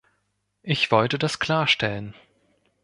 Ich wollte das klarstellen.